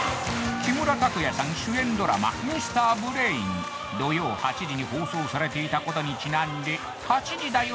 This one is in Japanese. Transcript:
木村拓哉さん主演ドラマ「ＭＲ．ＢＲＡＩＮ」土曜８時に放送されていたことにちなんで「８時だョ！